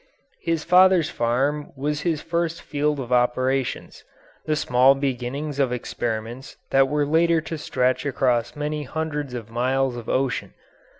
His father's farm was his first field of operations, the small beginnings of experiments that were later to stretch across many hundreds of miles of ocean.